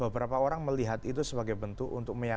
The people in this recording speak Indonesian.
beberapa orang melihat itu sebagai bentuk untuk meyakin